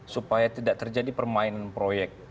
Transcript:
supaya tidak terjadi permainan proyek